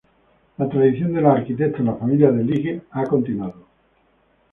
La tradición de los arquitectos en la familia de League ha continuado.